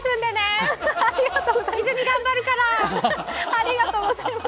ありがとうございます。